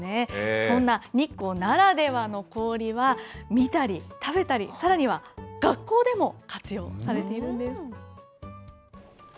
そんな日光ならではの氷は、見たり、食べたり、さらには学校でも活用されているんです。